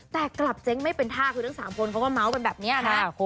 แต่กลับเจ๊งไม่เป็นท่าคือทั้ง๓คนเขาก็เมาส์กันแบบนี้นะ